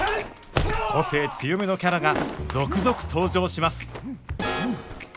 個性強めのキャラが続々登場します